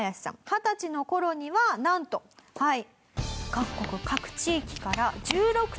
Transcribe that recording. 二十歳の頃にはなんとはい。